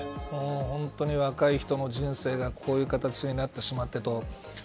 本当に若い人の人生がこういう形になってしまってと。